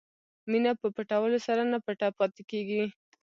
مینه په پټولو سره نه پټه پاتې کېږي.